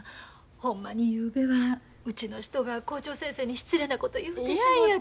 ほんまにゆうべはうちの人が校長先生に失礼なこと言うてしもて。